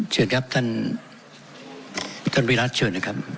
เชิญครับท่านท่านวิรัติเชิญนะครับ